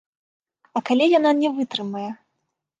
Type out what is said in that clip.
А калі яна не вытрымае?